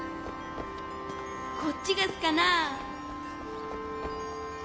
こっちがすかな？